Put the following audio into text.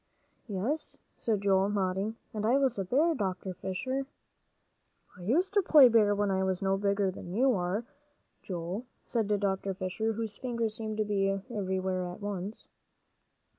"Yes," said Joel, nodding. "And I was a bear, Dr. Fisher." "I used to play bear when I was no bigger than you are, Joel," said Dr. Fisher, whose fingers seemed to be everywhere at once.